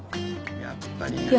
やっぱりな。